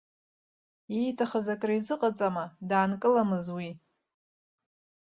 Ииҭахыз акризыҟаҵама, даанкыламыз уи.